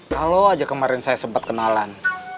kalau aja kemarin saya sempat kenalan